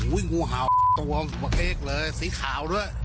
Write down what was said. อุ้ยงูเห่าตัวมาเอ็กเลยสีขาวด้วย